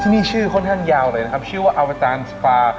ที่นี่ชื่อค่อนข้างยาวเลยนะครับชื่อว่าสปาร์